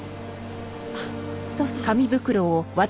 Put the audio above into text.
あっどうぞ。